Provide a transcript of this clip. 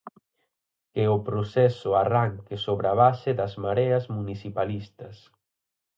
Que o proceso arranque sobre a base das Mareas municipalistas.